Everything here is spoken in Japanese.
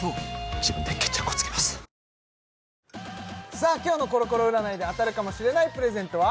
さあ今日のコロコロ占いで当たるかもしれないプレゼントは？